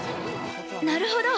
◆なるほど。